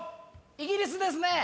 「イギリス」ですね。